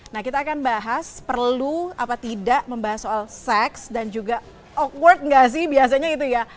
nah kita akan bahas perlu apa tidak membahas soal seks dan juga outward nggak sih biasanya itu ya